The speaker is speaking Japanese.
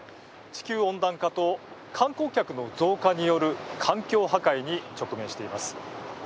地球温暖化と観光客の増加による環境破壊に直面しています。